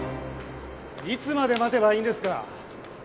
いつまで待てばいいんですか？